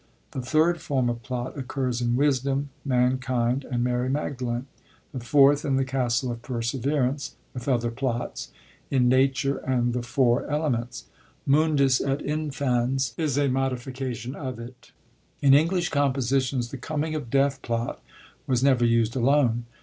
The third form of plot occurs in Wisdonif Mankmd, and Mary Magdalen; the fourth in the Castle of Peraeverance (with other plots) in Nature and the Four Element8,m Mn/ndua et Infana is a modi fication of it.^ In English compositions the Comvng of Deaih plot was never used alone.